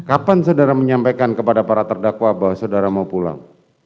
kapan saudara menyampaikan kepada para terdakwa bahwa saudara mau pulang